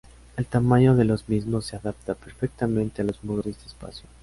El tamaño de los mismos se adapta perfectamente a los muros de este espacio.